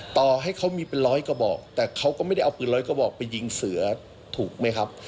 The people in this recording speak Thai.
ต่อให้เขามีเป็นร้อยกระบอกแต่เขาก็ไม่ได้เอาปืนร้อยกระบอกไปยิงเสือถูกไหมครับ